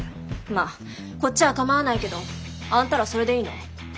まあこっちはかまわないけどあんたらそれでいいの？